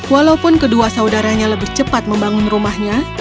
walaupun kedua saudaranya lebih cepat membangun rumahnya